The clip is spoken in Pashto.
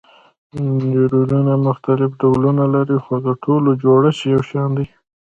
نیورونونه مختلف ډولونه لري خو د ټولو جوړښت یو شان دی.